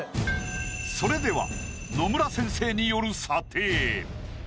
それでは野村先生による。